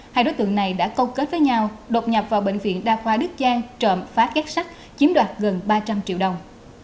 hai đối tượng này đã câu kết với nhau đột nhập vào bệnh viện đa khoa đức giang trộm phá các sách chiếm đoạt gần ba trăm linh triệu đồng